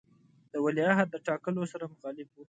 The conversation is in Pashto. د ولیعهد د ټاکلو سره مخالف وو.